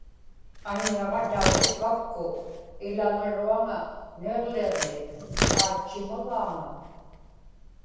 aññaġa tautukapku ilaŋaruaŋa niġliġnik aatchimagaaŋa